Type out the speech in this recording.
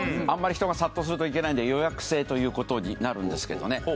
あんまり人が殺到するといけないんで予約制ということになるんですけどね